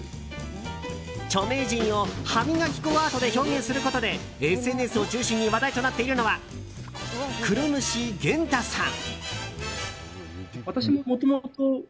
著名人を歯磨き粉アートで表現することでＳＮＳを中心に話題となっているのは黒主厳太さん。